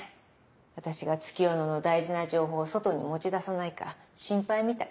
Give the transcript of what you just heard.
私が月夜野の大事な情報を外に持ち出さないか心配みたい。